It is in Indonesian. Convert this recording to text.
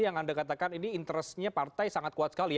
yang anda katakan ini interestnya partai sangat kuat sekali ya